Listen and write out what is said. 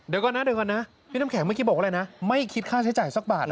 เดี๋ยวก่อนนะพี่น้ำแขกเมื่อกี้บอกอะไรนะไม่คิดค่าใช้จ่ายสักบาทเหรอ